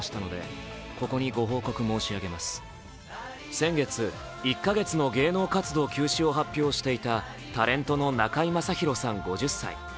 先月、１か月の芸能活動休止を発表していたタレントの中居正広さん５０歳。